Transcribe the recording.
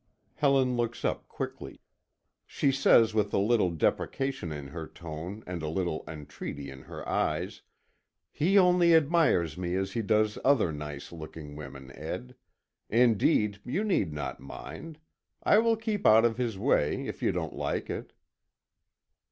Helen looks up quickly. She says with a little deprecation in her tone, and a little entreaty in her eyes; "He only admires me as he does other nice looking women, Ed. Indeed, you need not mind. I will keep out of his way, if you don't like it."